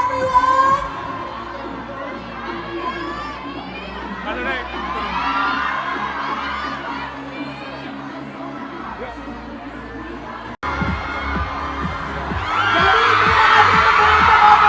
ขอบคุณมากสวัสดีครับ